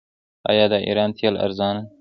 آیا د ایران تیل ارزانه دي؟